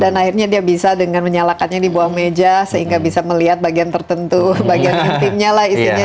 dan akhirnya dia bisa dengan menyalakannya dibuang meja sehingga bisa melihat bagian tertentu bagian intimnya lah isinya